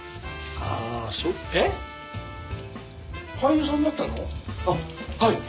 あっはい。